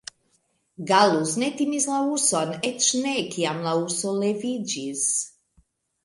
Gallus ne timis la urson, eĉ ne, kiam la urso leviĝis.